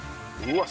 うわ！